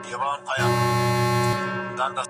زه کولای سم کتابونه ولولم!.